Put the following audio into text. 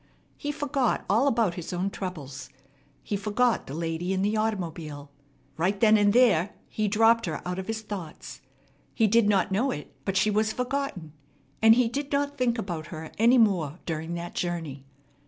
He forgot all about his own troubles. He forgot the lady in the automobile. Right then and there he dropped her out of his thoughts. He did not know it; but she was forgotten, and he did not think about her any more during that journey.